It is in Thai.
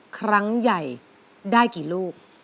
ครั้งใหญ่ได้กี่ลูก